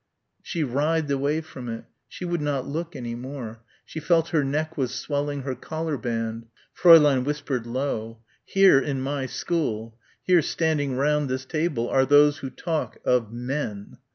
She writhed away from it. She would not look any more. She felt her neck was swelling inside her collar band. Fräulein whispered low. "Here in my school, here standing round this table are those who talk of men.